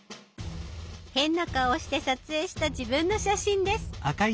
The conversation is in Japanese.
変な顔をして撮影した自分の写真です。